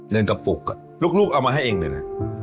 เงินกระปุกลูกเอามาให้เองเลยนะ